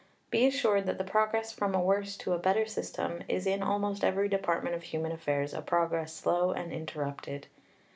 Be assured that the progress from a worse to a better system is in almost every department of human affairs a progress slow and interrupted.